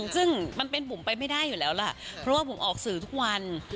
ซึ่งมันเป็นบุ๋มไปไม่ได้อยู่แล้วล่ะเพราะว่าบุ๋มออกสื่อทุกวัน